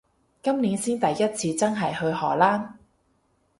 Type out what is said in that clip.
今年先第一次真係去荷蘭